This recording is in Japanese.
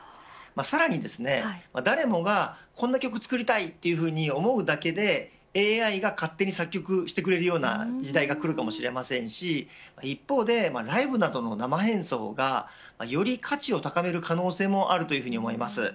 さらに誰もがこの曲を作りたいというふうに思うだけでＡＩが勝手に作曲してくれるような時代が来るかもしれませんし一方で、ライブなどの生演奏がより価値を高める可能性もあるというふうに思います。